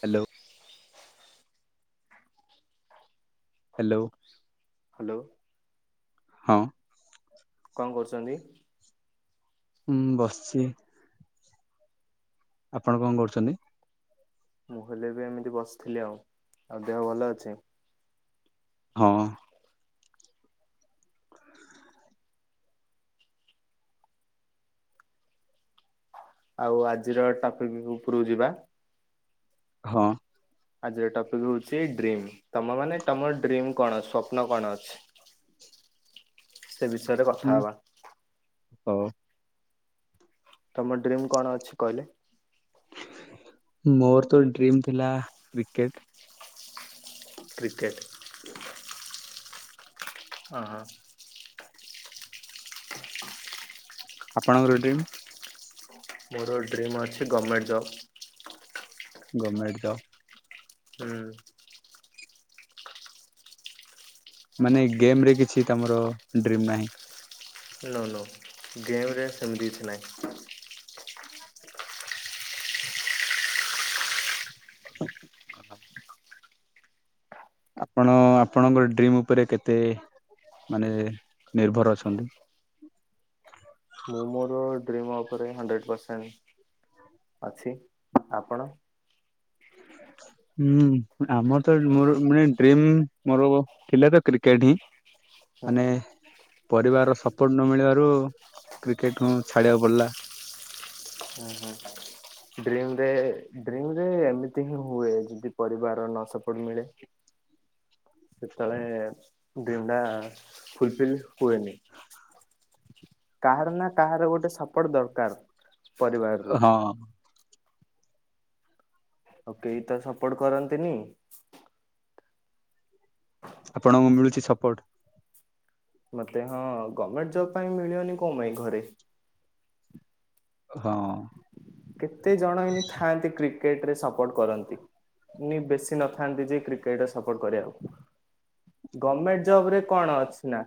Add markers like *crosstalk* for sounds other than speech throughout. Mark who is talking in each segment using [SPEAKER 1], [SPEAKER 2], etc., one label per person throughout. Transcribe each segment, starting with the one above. [SPEAKER 1] Hello. Hello.
[SPEAKER 2] Hello.
[SPEAKER 1] ହଁ।
[SPEAKER 2] କଣ କରୁଛନ୍ତି?
[SPEAKER 1] ହୁଁ ବସିଛି। ଆପଣ କଣ କରୁଛନ୍ତି?
[SPEAKER 2] ମୁଁ ହେଲେ ବି ଏମିତି ବସିଥିଲି ଆଉ। ଆଉ ଦେହ ଭଲ ଅଛି।
[SPEAKER 1] ହଁ।
[SPEAKER 2] ଆଉ ଆଜିର ଟ୍ରାଫିକ୍ ଉପୁରୁକୁ ଯିବା।
[SPEAKER 1] ହଁ।
[SPEAKER 2] ଆଜିର ଟପିକ ହଉଛି ଡ୍ରିମ। ତମ ମାନେ ତମର ଡ୍ରିମ କଣ ସ୍ଵପ୍ନ କଣ ଅଛି? ସେ ବିଷୟରେ କଥା
[SPEAKER 1] ହୁଁ
[SPEAKER 2] ହବା।
[SPEAKER 1] ହଉ
[SPEAKER 2] ତମ ଡ୍ରିମ୍ କଣ ଅଛି କହିଲେ?
[SPEAKER 1] ମୋର ତ ଡ୍ରିମ୍ ଥିଲା କ୍ରିକେଟ୍।
[SPEAKER 2] କ୍ରିକେଟେ। ଓ ହୋ।
[SPEAKER 1] ଆପଣଙ୍କର ଡ୍ରିମ୍?
[SPEAKER 2] ମୋର ଡ୍ରିମ୍ ଅଛି ଗମେଣ୍ଟ ଜବ୍।
[SPEAKER 1] Government job.
[SPEAKER 2] ହୁଁ।
[SPEAKER 1] ମାନେ ଗେମ୍ ରେ କିଛି ତୋମର ଡ୍ରିମ୍ ନାହିଁ?
[SPEAKER 2] ନୋ ନୋ ଗେମ୍ ରେ ସେମିତି କିଛି ନାଇ।
[SPEAKER 1] ଆପଣ ଆପଣଙ୍କ ଡ୍ରିମ୍ ଉପରେ କେତେ ମାନେ ନିର୍ଭର ଅଛନ୍ତି?
[SPEAKER 2] ମୁଁ ମୋର ମୋ ଉପରେ ହଣ୍ଡ୍ରେଡ ପର୍ସେଣ୍ଟ ଅଛି। ଆପଣ?
[SPEAKER 1] ହୁଁ ଆମର ତ ମୋର ମେ ଡ୍ରିମ ମୋର ଥିଲା ତ କ୍ରିକେଟ ହିଁ।
[SPEAKER 2] ହୁଁ।
[SPEAKER 1] ପରିବାର ସପୋର୍ଟ ନ ମିଳିବାରୁ କ୍ରିକେଟ୍ ମୁଁ ଛାଡିବାକୁ ପଡିଲା।
[SPEAKER 2] ହୁଁ ହୁଁ। ଡ୍ରିମରେ ଡ୍ରିମରେ ଏମିତି ହିଁ ହୁଏ ଯଦି ପରିବାର ନ ସପୋର୍ଟ ମିଳେ। ହଁ *unintelligible* ସେତେବେଳେ ଡ୍ରିମ ଟା ଫୁଲଫିଲ୍ ହୁଏନି। କାହାର ନା କାହାର ଗୋଟେ ସପୋର୍ଟ ଦରକାର ପରିବାରରୁୁ।
[SPEAKER 1] ହଁ
[SPEAKER 2] ଆଉ କେହି ତ ସପୋର୍ଟ କରନ୍ତିନି।
[SPEAKER 1] ଆପଣଙ୍କୁ ମିଳୁଛି ସପୋର୍ଟ?
[SPEAKER 2] ମତେ ହଁ ଗଭର୍ଣ୍ଣମେଣ୍ଟ ଜବ ପାଇଁ ମିଳିବନି କଣ ପାଇଁ ଘରେ।
[SPEAKER 1] ହଁ।
[SPEAKER 2] କେତେ ଜଣ ଏନି ଥାଆନ୍ତି କ୍ରିକେଟ ରେ ସପୋର୍ଟ କରନ୍ତି। ବେଶୀ ନଥାନ୍ତି ଯେ କ୍ରିକେଟ ସପୋର୍ଟ କରିବାକୁ। ଗଭର୍ଣ୍ଣମେଣ୍ଟ ଜବ ରେ କଣ ଅଛି ନା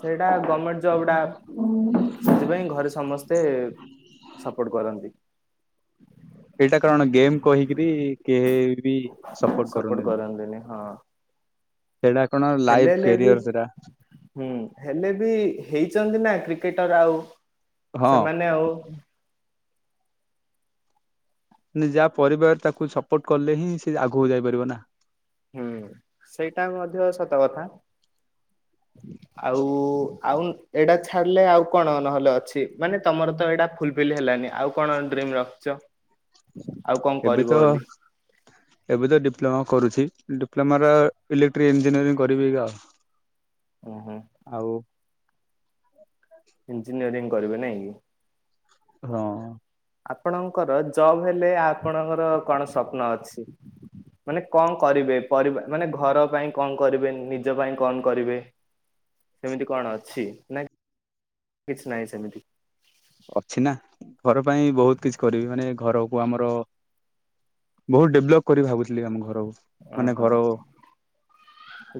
[SPEAKER 2] ସେଇଟା ଗଭର୍ଣମେଣ୍ଟ ଜବ ଟା। ସେଥିପାଇଁ ଘରେ ସମସ୍ତେ ସପୋର୍ଟ କରନ୍ତି।
[SPEAKER 1] ଏଇଟା କଣ ଗେମ୍ କହିକିରି କେହି ବି ସପୋର୍ଟ କରନ୍ତିନି। ସେଇଟା କଣ ଲାଇଫ
[SPEAKER 2] ହେଲେ ହେଲେ ବି
[SPEAKER 1] କ୍ୟାରିଅର ସେଟା
[SPEAKER 2] ହୁଁ ହେଲେ ବି ହେଇ ଚନ୍ତିନା କ୍ରିକେଟର ଆଉ
[SPEAKER 1] ହଁ।
[SPEAKER 2] ସେମାନେ ଆଉ
[SPEAKER 1] ଯାହା ପରିବାର ତାକୁ ସପୋର୍ଟ କଲେ ହିଁ ସେ ଆଗକୁ ଯାଇପାରିବ ନା।
[SPEAKER 2] ହୁଁ ସେଇଟା ମଧ୍ୟ ସତ କଥା। ଆଉ ଆଉ ଏଇଟା ଛାଡିଲେ ଆଉ କଣ ନହେଲେ ଅଛି ମାନେ ତମର ତ ଏଇଟା ଫୁଲ ଫିଲି ହେଲାନି ଆଉ କଣ ଡ୍ରିମ ରଖିଛ? ଆଉ କଣ
[SPEAKER 1] ଏବେ
[SPEAKER 2] କରିବ
[SPEAKER 1] ତ
[SPEAKER 2] ବୋଲି
[SPEAKER 1] ଏବେ ତ ଡିପ୍ଲୋମା କରୁଛି। ଡିପ୍ଲୋମ ର ଇଲେକ୍ଟ୍ରିକ ଇଞ୍ଜିନିୟରିଂ କରିବି କି ଆଉ।
[SPEAKER 2] ଓ ହୋ।
[SPEAKER 1] ହ *inaudible*
[SPEAKER 2] ଇଞ୍ଜିନିୟରିଂ କରିବେ ନାଇଁ କି?
[SPEAKER 1] ହଁ।
[SPEAKER 2] ଆପଣଙ୍କର ଜବ ହେଲେ ଆପଣଙ୍କର କଣ ସ୍ୱପ୍ନ ଅଛି? ମାନେ କଣ କରିବେ, ପରିବା ମାନେ, ଘର ପାଇଁ କଣ କରିବେ, ନିଜ ପାଇଁ କଣ କରିବେ? ସେମିତି କଣ ଅଛି ନା କିଛି ନାହିଁ ସେମିତି।
[SPEAKER 1] ଅଛି ନା ଘର ପାଇଁ ବହୁତ କିଛି କରିବି ମାନେ ଘରକୁ ଆମର ବହୁତ ଡେଭଲପ କରି ଭାବୁଥିଲି ଆମ ଘରକୁ। ମାନେ
[SPEAKER 2] ଓହୋ
[SPEAKER 1] ଘର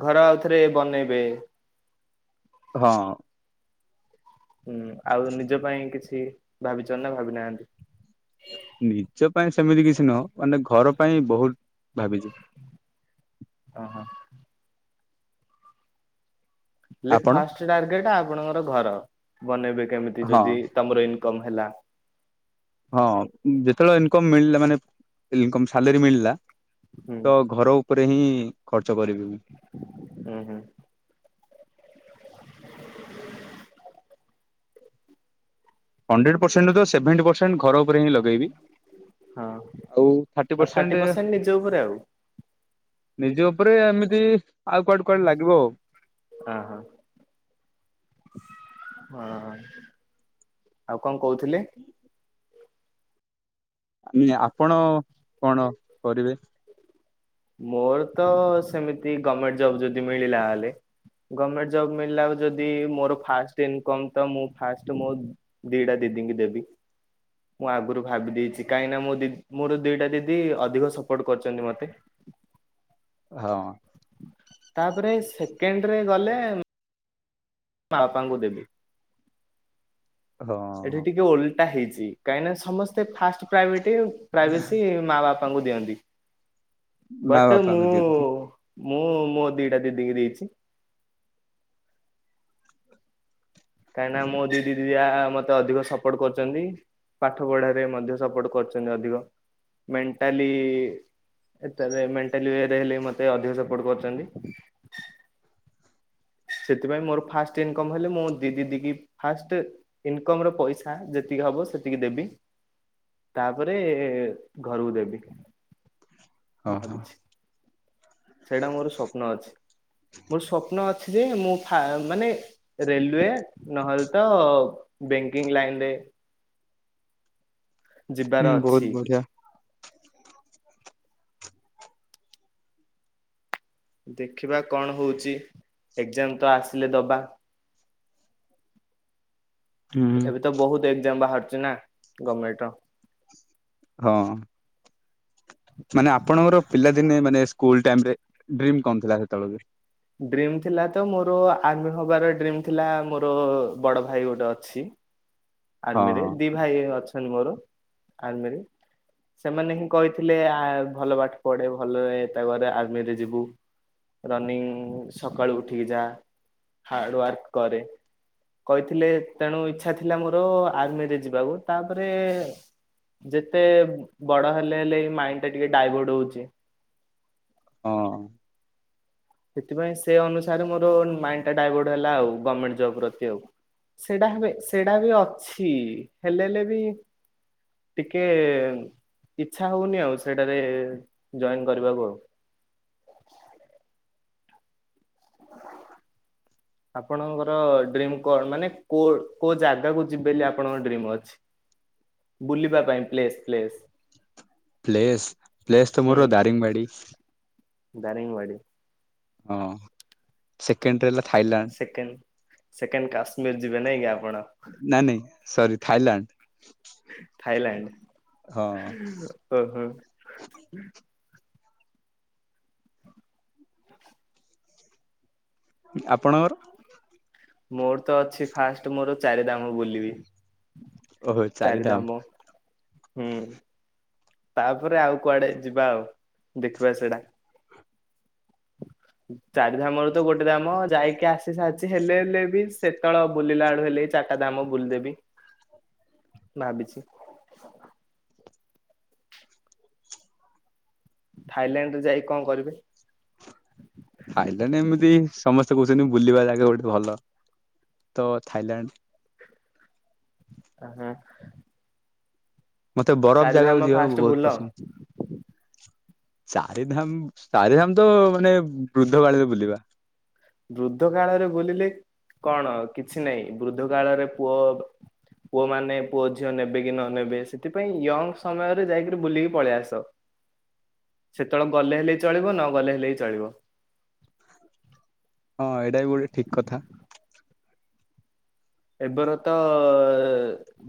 [SPEAKER 2] ଘର ଆଉ ଥରେ ବନେଇବେ।
[SPEAKER 1] ହଁ।
[SPEAKER 2] ହୁଁ ଆଉ ନିଜ ପାଇଁ କିଛି ଭାବିଛ ନା ଭାବି ନାହାନ୍ତି?
[SPEAKER 1] ନିଜ ପାଇଁ ସେମିତି କିଛି ନୁହଁ ମାନେ ଘର ପାଇଁ ବହୁତ ଭାବିଛି
[SPEAKER 2] ଅ ହ ହେଲେ
[SPEAKER 1] ଆପଣ
[SPEAKER 2] ଫାଷ୍ଟ ଟାର୍ଗେଟ ଆପଣଙ୍କର ଘର ବନେଇବେ କେମିତି
[SPEAKER 1] ହଁ।
[SPEAKER 2] ଯଦି ତମର ଇନ କମ୍ ହେଲା
[SPEAKER 1] ହଁ ଯେତେବେଳେ ଇନ ମିଳିଲା ମାନେ- ଇନ କମ୍ ସାଲେରୀ ମିଳିଲା
[SPEAKER 2] ହୁଁ
[SPEAKER 1] ତ ଘର ଉପରେ ହିଁ ଇ - ଖର୍ଚ୍ଚ କରିବି ମୁଁ -
[SPEAKER 2] ହୁଁ ହୁଁ।
[SPEAKER 1] ହଣ୍ଡ୍ରେଡ ପରସେଣ୍ଟ ନ ହେଲେ ସେଭେଣ୍ଟି ପରସେଣ୍ଟ ଘର ଉପରେ ହିଁ ଲଗେଇବି
[SPEAKER 2] ହଁ - ଆଉ ଥାର୍ଟି ପରସେଣ୍ଟ ନିଜ ଉପରେ ଆଉ -
[SPEAKER 1] ନିଜ ଉପରେ ଏମିତି- ଆଉ କୁଆଡେ କୁଆଡେ ଲାଗିବ ଆଉ
[SPEAKER 2] ହଁ ହଁ - ହଁ ଆଉ କଣ କହୁଥିଲେ?
[SPEAKER 1] ମି - ଆପଣ କଣ କରିବେ?
[SPEAKER 2] ମୋର ତ ସେମିତି ଗମେଣ୍ଟ ଜବ ଯଦି ମିଳିଲା ହେଲେ ଗମେଣ୍ଟ ଜବ ମିଳିଲା ଓ ଯଦି ମୋର ଫାଷ୍ଟ ଇନକମ୍ ତ ମୁଁ ଫାଷ୍ଟ ମୋ ଦିଟା ଦି ଦିଙ୍କି ଦେବି। ମୁଁ ଆଗରୁ ଭାବି ଦେଇଚି କାହିଁକି ନା ମୋ ଦିି ମୋର ଦିଟା ଦିଦି ଅଧିକ ସପୋର୍ଟ କରିଚନ୍ତି ମତେ।
[SPEAKER 1] ହଁ।
[SPEAKER 2] ତାପରେ ସେକେଣ୍ଡ ରେ ଗଲେ ମ୍ ପାପାଙ୍କୁ ଦେବି।
[SPEAKER 1] ହଁ।
[SPEAKER 2] ଟା ହେଇଚି କାହିଁକିନା ସମସ୍ତେ ଫାଷ୍ଟ ପ୍ରାଇଭେଟି ପ୍ରାଇଭେସୀ ମା ବାପା ପା ଙ୍କୁ ଦିଅନ୍ତି
[SPEAKER 1] ମା
[SPEAKER 2] ବଟ
[SPEAKER 1] ବାପାଙ୍କୁ
[SPEAKER 2] ମୁଁ
[SPEAKER 1] ଦିଅନ୍ତି
[SPEAKER 2] ମୁଁ ମୋ ଦିଟା ଦିଦି କି ଦେଇଚି। କାହିଁକିନା ମୋ ଦିଦି ଦିଟା ମତେ ଅଧିକ ସପୋର୍ଟ କରୁଚନ୍ତି। ପାଠ ପଢାରେ ମଧ୍ୟ ସପୋର୍ଟ କରୁଚନ୍ତି ଅଧିକ ମେଣ୍ଟାଲି ଏଟାରେ ମେଣ୍ଟାଲି ୱେରେ ହେଲେ ମତେ ଅଧିକ ସପୋର୍ଟ କରୁଚନ୍ତି। ସେଥିପାଇଁ ମୋର ଫାଷ୍ଟ ଇନକମ୍ ହେଲେ ମୁଁ ଦି ଦିଦିକି ଫାଷ୍ଟ ଇନକମ୍ ର ପଇସା ଯେତିକି ଯାହା ହବ ସେତିିକି ଦେବି ତାପରେ ଏ ଘରକୁ ଦେବି।
[SPEAKER 1] ହଁ ହଁ।
[SPEAKER 2] ଭାବିଛି ସେଇଟା ମୋର ସ୍ୱପ୍ନ ଅଛି ମୋର ସ୍ୱପ୍ନ ଯେ ମୁଁ ଫା ମାନେ ରେଲୱେ ନହଲେ ତ ବ୍ୟାଙ୍କିଙ୍ଗ ଲାଇନ୍ ରେ *unintelligible*
[SPEAKER 1] ହୁଁ ବହୁତ
[SPEAKER 2] ଯିବାରଅଛି।
[SPEAKER 1] ବଢିଆ।
[SPEAKER 2] ଦେଖିବା କଣ ହଉଚି ଏକ୍ଜାମ ତ ଆସିଲେ ଦବା।
[SPEAKER 1] ହୁଁ
[SPEAKER 2] ଏବେ ତ ବହୁତ ଏକ୍ଜାମ୍ ବାହାରୁଚି ନା ଗଭମେଣ୍ଟ ର।
[SPEAKER 1] ହଁ। ମାନେ ଆପଣଙ୍କର ପିଲାଦିନେ ମାନେ ସ୍କୁଲ ଟାଇମ୍ ରେ ଡ୍ରୀମ୍ କଣ ଥିଲା ସେତବେଳେକୁ?
[SPEAKER 2] ଡ୍ରିମ ଥିଲା ତ ମୋର ଆର୍ମି ହବାର ଡ୍ରିମ ଥିଲା ମୋର ବଡ଼ ଭାଇ ଗୋଟେ ଅଛି।
[SPEAKER 1] ହଁ
[SPEAKER 2] ଆର୍ମିରେ ଦି ଭାଇ ଅଛନ୍ତି ମୋର ଆର୍ମିରେ। ସେମାନେ ହିଁ କହିଥିଲେ ଆ ଭଲ ପାଠ ପଢ଼େ ଭଲ ତା ପରେ ଆର୍ମିରେ ଯିବୁ। ରନିଂ ସକାଳୁ ଉଠିକି ଯା ହାର୍ଡ ୱାର୍କ କରେ। କହିଥିଲେ ତେଣୁ ଇଚ୍ଛା ଥିଲା ମୋର ଆର୍ମିରେ ଯିବାକୁ ତାପରେ ଯେତେ ବଡ଼ ହେଲେ ହେଲେ ମାଇଣ୍ଡ ଟା ଟିକେ ଡାଇଭର୍ଟ ହଉଚି।
[SPEAKER 1] ହଁ।
[SPEAKER 2] ସେଥିପାଇଁ ସେ ଅନୁସାରେ ମୋର ମାଇଣ୍ଡ ଟା ଡାଇଭର୍ଟ ହେଲା ଆଉ ଗମେଣ୍ଟ ଜବ ପ୍ରତି ଆଉ। ସେଇଟା ହେବେ ସେଇଟା ବି ଅଛି ହେଲେ ହେଲେ ବି ଟିକେ ଇଚ୍ଛା ହଉନି ଆଉ ସେଟାରେ ଜଏନ୍ କରିବାକୁ ଆଉ। ଆପଣଙ୍କର ଡ୍ରିମ କଣ ମାନେ କୋଉ କୋଉ ଜାଗାକୁ ଯିବେ ବୋଲି ଆପଣଙ୍କ ଡ୍ରିମ୍ ଅଛି। ବୁଲିବା ପାଇଁ ପ୍ଲେସ୍ ପ୍ଲେସ୍।
[SPEAKER 1] ପ୍ଲେସ୍ ପ୍ଲେସ୍ ତ ମୋର ଦାରିଙ୍ଗବାଡି।
[SPEAKER 2] ଦାରିଙ୍ଗବାଡ଼ି।
[SPEAKER 1] ହଁ ସେକେଣ୍ଡରେ ଥାଇଲାଣ୍ଡ
[SPEAKER 2] ସେକେଣ୍ଡ ସେକେଣ୍ଡ କାଶ୍ମୀର ଯିବେ ନାଇଁ କି ଆପଣ?
[SPEAKER 1] ନାଇଁ ନାଇଁ ସରି ଥାଇଲାଣ୍ଡ। ହଁ
[SPEAKER 2] ଓ ହୋ।
[SPEAKER 1] ଆପଣ
[SPEAKER 2] ମୋର ତ ଅଛି ଫାଷ୍ଟ ମୋର ଚାରି ଧାମ ବୁଲିବି। ଚାରିଧାମ ହୁଁ। ତାପରେ ଆଉ କୁଆଡେ ଯିବା ଆଉ ଦେଖିବା ସେଇଟା। ଚାରି ଧାମରୁ ତ ଗୋଟେ ଧାମ ଯାଇକି ଆସି ସାରିଛି ହେଲେ ହେଲେ ବି ସେତବେଳ ବୁଲିଲାଳୁ ହେଲେ ଏଇ ଚା ଚାରଟା ଧାମ ବୁଲଦେବି ଭାବିଛି। ଥାଇଲାଣ୍ଡ ରେ ଯାଇ କଣ କରିବେ?
[SPEAKER 1] ଥାଇଲାଣ୍ଡ ଏମିତି ସମସ୍ତେ କହୁଛନ୍ତି ବୁଲିବା ଜାଗା ଗୋଟେ ଭଲ। ତ ଥାଇଲଣ୍ଡ
[SPEAKER 2] ହୁଁ।
[SPEAKER 1] ମତେ ବରଫ ଜାଗାକୁ ଯିବାକୁ
[SPEAKER 2] ଫାଷ୍ଟ
[SPEAKER 1] ବହୁତ
[SPEAKER 2] ବୁଲ
[SPEAKER 1] ପସନ୍ଦ। ଚାରିଧାମ ଚାରିଧାମ ତ ମାନେ ବୃଦ୍ଧ ବାଳରେ ବୁଲିବା।
[SPEAKER 2] ବୃଦ୍ଧ କାଳରେ ବୁଲିଲେ କଣ କିଛି ନାହିଁ ବୃଦ୍ଧ କାଳରେ ପୁଅ ପୁଅ ମାନେ ପୁଅ ଝିଅ ନେବେ କି ନ ନେବେ ସେଥିପାଇଁ ୟଙ୍ଗ ସମୟରେ ଯାଇକିରି ବୁଲିକି ପଳେଇ ଆସ। *inaudible* ସେତେବେଳେ ଗଲେ ହେଲେ ବି ଚଳିବ ନ ଗଲେ ହେଲେ ବି ଚଳିବ।
[SPEAKER 1] ହଁ ଏଇଟା ବି ଗୋଟେ ଠିକ କଥା।
[SPEAKER 2] ଏବେର ତ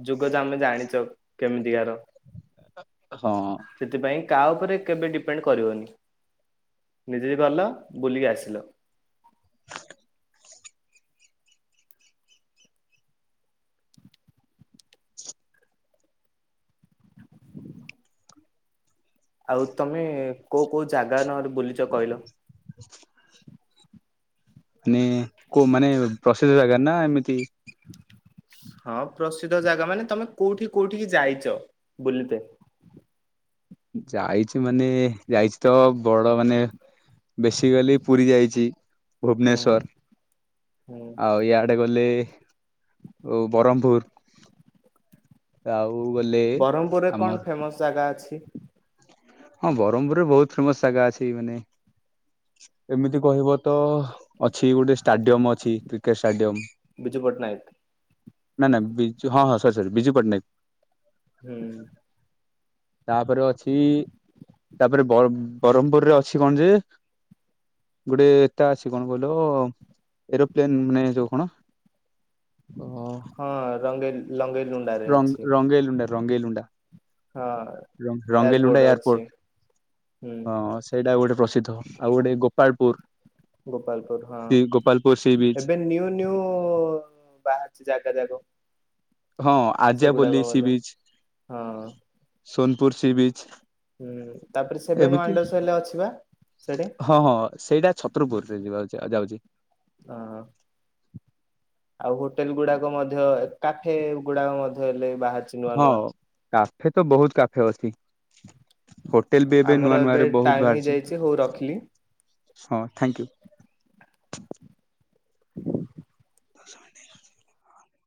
[SPEAKER 2] ଯୁଗ ଯ ଆମେ ଜାଣିଛ କେମି କାର
[SPEAKER 1] ହଁ
[SPEAKER 2] ସେଥିପାଇଁ କାହା ଉପରେ କେବେ ଡିପେଣ୍ଡ କରିବନି। ନିଜେ ବି ଗଲ ବୁଲିକି ଆସିଲ। ଆଉ ତମେ କୋଉ କୋଉ ଜାଗା ନ ବୁଲିଛ କହିଲ?
[SPEAKER 1] *inaudible* ମାନେ କୋଉ ମାନେ ପ୍ରସିଦ୍ଧ ଜାଗା ନା ଏମିତି
[SPEAKER 2] *inaudible* ହଁ ପ୍ରସିଦ୍ଧ ଜାଗା ମାନେ ତମେ କୋଉଠି କୋଉଠିିକି ଯାଇଛ ବୁଲିତେ?
[SPEAKER 1] ଯାଇଛି ମାନେ ଯାଇଛି ତ ବଡ ମାନେ ବେସିକାଲି ପୁରୀ ଯାଇଛି
[SPEAKER 2] ହୁଁ
[SPEAKER 1] ଭୁବନେଶ୍ଵର
[SPEAKER 2] ହୁଁ
[SPEAKER 1] ଆଉ ଇଆଡେ ଗଲେ ଆଉ ବରହମପୁର। ଆଉ ଗଲେ
[SPEAKER 2] ବ୍ରହ୍ମପୁରରେ
[SPEAKER 1] ଆମର
[SPEAKER 2] କଣ ଫେମସ ଜାଗା ଅଛି?
[SPEAKER 1] ହଁ ବ୍ରହ୍ମପୁରରେ ବହୁତ ଫେମସ ଜାଗା ଅଛି ଏଇ ମାନେ ଏମିତି କହିବ ତ ଅଛି ଗୋଟେ ଷ୍ଟାଡିୟମ ଅଛି କ୍ରିକେଟ ଷ୍ଟାଡିୟମ
[SPEAKER 2] ବିଜୁ ପଟ୍ଟନାୟକ?
[SPEAKER 1] ନା ନା ବିଜୁ ହଁ ହଁ ସରି ସରି ବିଜୁ ପଟ୍ଟନାୟକ।
[SPEAKER 2] ହୁଁ।
[SPEAKER 1] ତାପରେ ଅଛି ତାପରେ ବରହମ ବରହମପୁରରେ ଅଛି କଣ ଯେ ଗୋଟେ ଏଟା ଅଛି କଣ କହିଲ ଏରୋପ ପ୍ଲେନ ମାନେ ଯୋଉ କଣ
[SPEAKER 2] ହଁ ରଙ୍ଗେଇ ଲଙ୍ଗେଇ ଲୁଣ୍ଡାରେ ଅଛି।
[SPEAKER 1] ରଙ୍ଗ ରଙ୍ଗେଇଲୁଣ୍ଡା ରଙ୍ଗେଇଲୁଣ୍ଡା।
[SPEAKER 2] ହଁ
[SPEAKER 1] ରଙ୍ଗ ରଙ୍ଗେଇଲୁଣ୍ଡା
[SPEAKER 2] ଏୟାରପୋର୍ଟ ଅଛି ହୁଁ
[SPEAKER 1] ଏୟାରପୋର୍ଟ ହଁ ସେଇଟା ଗୋଟେ ପ୍ରସିଦ୍ଧ। ଆଉ ଗୋଟେ ଗୋପାଳପୁର।
[SPEAKER 2] ଗୋପାଳପୁର ହଁ।
[SPEAKER 1] ଗୋପାଳପୁର ସି ବିଚ୍
[SPEAKER 2] ଏବେ ନିୟୁ ନିୟୁ ବାହାରୁଛି ଜାଗା ଯାକ।
[SPEAKER 1] ହଁ
[SPEAKER 2] ସେଗୁଡାକ
[SPEAKER 1] ଆର୍ଯ୍ୟାପଲ୍ଲୀ ସି
[SPEAKER 2] ମଧ୍ୟ
[SPEAKER 1] ବିଚ
[SPEAKER 2] ହଁ
[SPEAKER 1] ସୋନପୁର ସି ବିଚ
[SPEAKER 2] ହୁଁ ତାପରେ ସେଭେନ ୱାଣ୍ଡରସ ହେଲେ ଅଛିି ବା ସେଠି
[SPEAKER 1] ହଁ ହଁ ସେଇଟା ଛତ୍ରପୁରରେ ଯିବା ଯାଉଛି।
[SPEAKER 2] ହଁ। ଆଉ ହୋଟେଲ ଗୁଡାକ ମଧ୍ୟ କାଫେ ଗୁଡାକ ମଧ୍ୟ ହେଲେ ବାହାରିଛି ନୂଆ
[SPEAKER 1] ହଁ।
[SPEAKER 2] ନୂଆ।
[SPEAKER 1] କାଫେ ତ ବହୁତ କାଫେ ଅଛି। ହୋଟେଲ ବି ଏବେ
[SPEAKER 2] ଆମର
[SPEAKER 1] ନୂଆ ନୂଆରେ ବହୁତ
[SPEAKER 2] ଟାଇମ
[SPEAKER 1] ବାହାରିଛି
[SPEAKER 2] ହେଇଯାଇଛି ହଉ ରଖିଲି।
[SPEAKER 1] ହଁ ଥ୍ୟାଙ୍କୟୁ। ଦ *unintelligible*